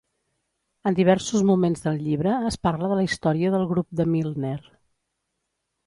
En diversos moments del llibre es parla de la història del grup de Milner.